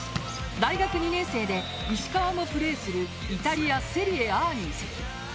大学２年生で、石川もプレーするイタリア・セリエＡに移籍。